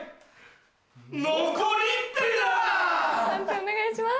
判定お願いします。